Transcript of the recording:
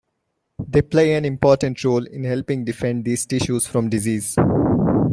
They play an important role in helping defend these tissues from disease.